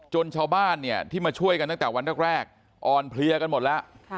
ชาวบ้านเนี่ยที่มาช่วยกันตั้งแต่วันแรกอ่อนเพลียกันหมดแล้ว